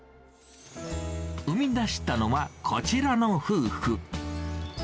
生み出したのは、こちらの夫婦。